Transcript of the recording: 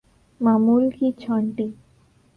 معمول کی چھانٹی